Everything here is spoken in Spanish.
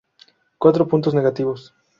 Cuatro puntos negativos.